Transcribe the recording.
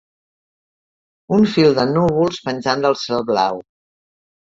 Un fil de núvols penjant del cel blau.